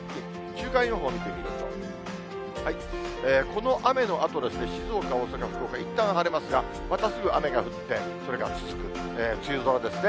週間予報見てみると、この雨のあと、静岡、大阪、福岡、いったん晴れますが、またすぐ雨が降って、それが続く、梅雨空ですね。